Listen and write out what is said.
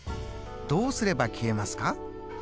どうすれば消えますか？